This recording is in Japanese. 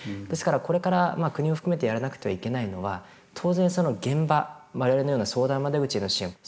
ですからこれから国を含めてやらなくてはいけないのは当然その現場我々のような相談窓口への支援。